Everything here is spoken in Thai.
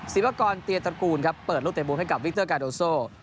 ศิวากรเตียตระกูลครับเปิดลูกเตะมุมให้กับวิกเตอร์กาโดโซ